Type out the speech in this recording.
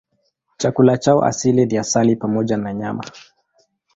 Chakula chao asili ni asali pamoja na nyama.